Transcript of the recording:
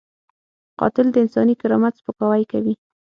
قاتل د انساني کرامت سپکاوی کوي